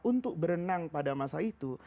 untuk berenang pada masa itu